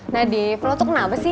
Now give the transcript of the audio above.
nah div lo tuh kenapa sih